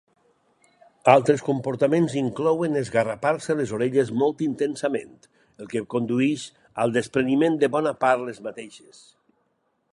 Altres comportaments inclouen esgarrapar-se les orelles molt intensament, el que condueix al despreniment de bona part les mateixes.